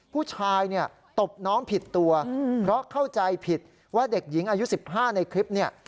ผู้ชายเนี่ยตบน้องผิดตัวเพราะเข้าใจผิดว่าเด็กหญิงอายุ๑๕ในคลิปเนี่ย